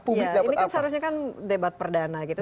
iya ini kan seharusnya kan debat perdana gitu